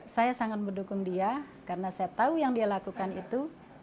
saya sangat mendukung dia karena saya tahu yang dia lakukan itu